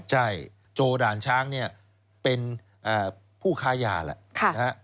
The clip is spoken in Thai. ใช่โจด่านช้างเนี่ยเป็นผู้ค้ายาแหละ